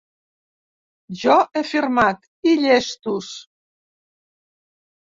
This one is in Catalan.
Jo he firmat i llestos.